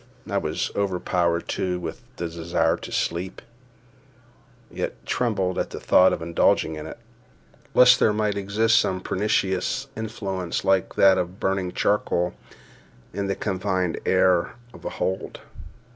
I was overpowered, too, with a desire to sleep, yet trembled at the thought of indulging it, lest there might exist some pernicious influence, like that of burning charcoal, in the confined air of the hold.